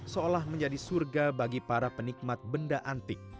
seolah menjadi surga bagi para penikmat yang menikmati